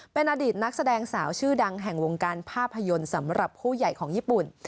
เป็นอดีตนักแสดงสาวชื่อดังแห่งวงการภาพยนตร์สำหรับผู้ใหญ่ของญี่ปุ่น